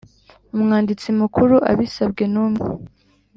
Umwanditsi Mukuru abisabwe n umwe